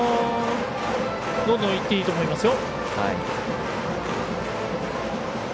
どんどんいっていいと思いますよ。